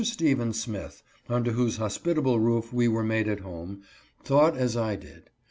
Stephen Smith, under whose hos pitable roof we were made at home, thought as I did.